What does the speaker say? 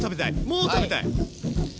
もう食べたい。